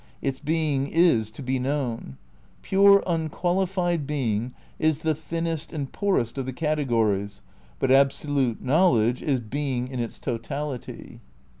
Its being is to be known. Pure unqualified Being is the thinnest and poorest of the categories, but Absolute Knowledge is Being in its totality.